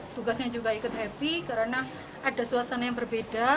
tugasnya juga ikut happy karena ada suasana yang berbeda